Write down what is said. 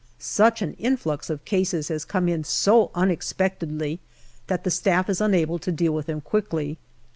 Such an influx of cases has come in so unexpectedly, that the staff is unable to deal with them quickly.